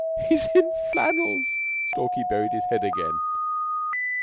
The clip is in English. "He's in flannels!" Stalky buried his head again.